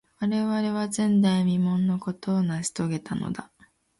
我々は、前代未聞のことを成し遂げたのだ。